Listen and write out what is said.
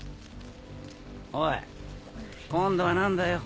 おい今度は何だよ？